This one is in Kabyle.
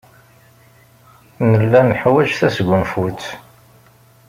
Nella neḥwaj tasgunfut.